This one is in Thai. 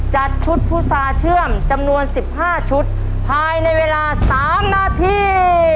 จัดชุดพุษาเชื่อมจำนวน๑๕ชุดภายในเวลา๓นาที